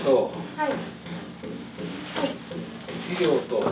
はい。